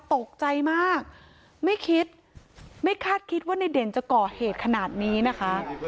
ตกใจมากไม่คิดไม่คาดคิดว่าในเด่นจะก่อเหตุขนาดนี้นะคะ